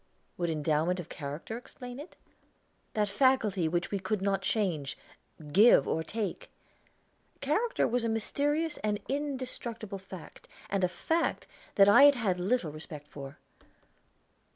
Would endowment of character explain it that faculty which we could not change, give, or take? Character was a mysterious and indestructible fact, and a fact that I had had little respect for.